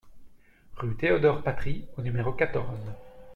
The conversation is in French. Rue Théodore Patry au numéro quatorze